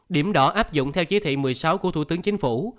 điểm đỏ áp dụng theo chế thị một mươi sáu của thủ tướng chính phủ